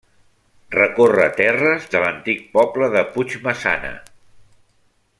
Recorre terres de l'antic poble de Puigmaçana.